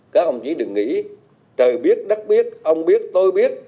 các ông chí đừng nghĩ trời biết đất biết ông biết tôi biết